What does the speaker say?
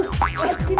ini kan jatuh